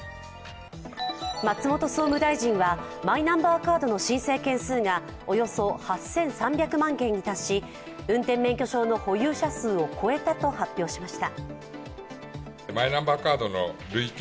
松本総務大臣はマイナンバーカードの申請件数がおよそ８３００万件に達し、運転免許証の保有数を超えたと発表しました。